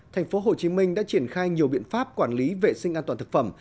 thành phố hồ chí minh đã triển khai nhiều biện pháp quản lý vệ sinh an toàn thực phẩm